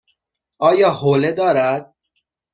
آیا حوله دارد؟